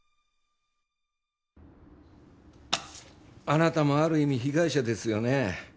あなたもある意味被害者ですよね。